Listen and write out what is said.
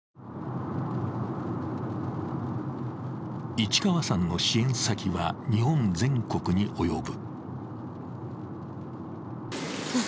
市川さんの支援先は日本全国に及ぶ。